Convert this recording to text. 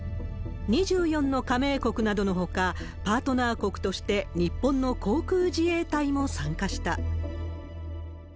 ２４の加盟国などのほか、パートナー国として日本の航空自衛隊も参加した。